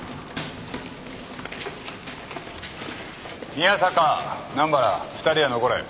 宮坂南原２人は残れ。